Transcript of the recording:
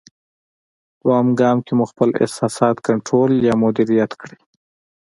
دوېم ګام کې مو خپل احساسات کنټرول یا مدیریت کړئ.